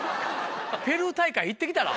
ペルー大会行って来たら？